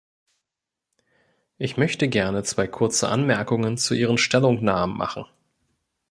Ich möchte gerne zwei kurze Anmerkungen zu Ihren Stellungnahmen machen.